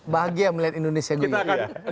bahagia melihat indonesia gue